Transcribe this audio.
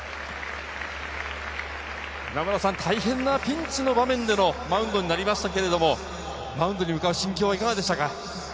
大変なピンチの場面でのマウンドになりましたけれども、向かう心境はいかがでしたか？